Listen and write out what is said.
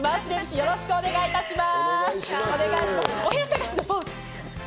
よろしくお願いします。